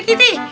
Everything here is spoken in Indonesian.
pak sri giti